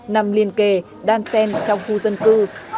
nằm liên kề đan sen trong khu dân cư